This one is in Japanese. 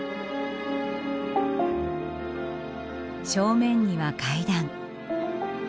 正面には階段。